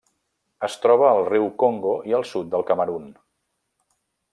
Es troba al riu Congo i al sud del Camerun.